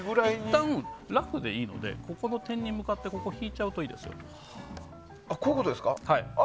いったんラフでいいのでここの点に向かって引いちゃうといいですよ。